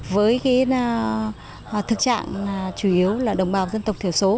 với thực trạng chủ yếu là đồng bào dân tộc thiểu số